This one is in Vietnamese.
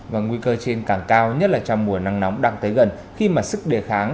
và nguy cơ trên càng cao nhất là trong mùa nắng nóng đang tới gần khi mà sức đề kháng